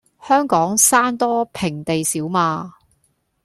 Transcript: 香港山多平地少嘛